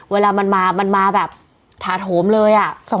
เวลามันมามันมาแบบถาโถมเลย